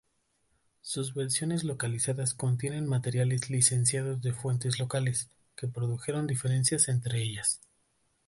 Sus versiones localizadas contienen materiales licenciados de fuentes locales, que produjeron diferencias entre ellas.